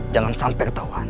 jangan sampai ketauan